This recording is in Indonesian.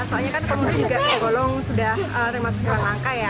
soalnya kan komodo juga bergolong sudah termasuk ke langkah ya